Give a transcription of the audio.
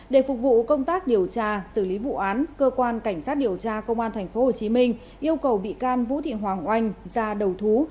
để phục vụ công tác điều tra xử lý vụ án cơ quan cảnh sát điều tra công an tp hcm yêu cầu bị can vũ thị hoàng oanh ra đầu thú